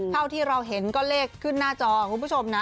เท่าที่เราเห็นก็เลขขึ้นหน้าจอคุณผู้ชมนะ